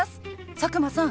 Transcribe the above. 佐久間さん